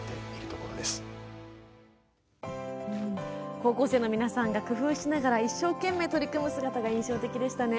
高校生の皆さんが工夫しながら一生懸命取り組む姿が印象的でしたね。